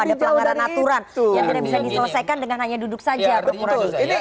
ada pelanggaran aturan yang tidak bisa diselesaikan dengan hanya duduk saja pak muradis